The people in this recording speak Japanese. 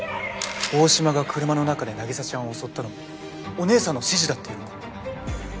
大島が車の中で凪沙ちゃんを襲ったのもお姉さんの指示だって言うのか？